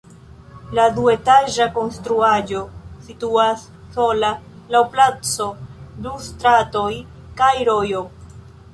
La duetaĝa konstruaĵo situas sola laŭ placo, du stratoj kaj rojo.